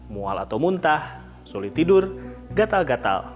mual atau muntah sulit tidur gatal gatal